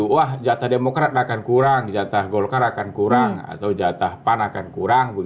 wah jatah demokrat akan kurang jatah golkar akan kurang atau jatah pan akan kurang